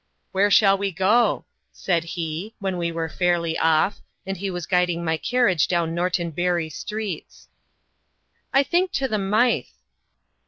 "Where shall we go?" said he, when we were fairly off, and he was guiding my carriage down Norton Bury streets. "I think to the Mythe."